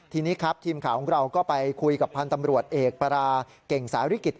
ทีนี้ครับทีมข่าวของเราก็ไปคุยกับธรรมด์เอการ์ปราเก่งสร้างศัลรีกิจ